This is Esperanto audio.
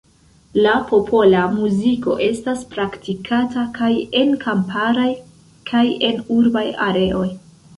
La popola muziko estas praktikata kaj en kamparaj kaj en urbaj areoj.